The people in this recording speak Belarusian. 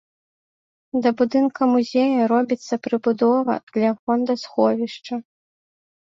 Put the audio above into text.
Да будынка музея робіцца прыбудова для фондасховішча.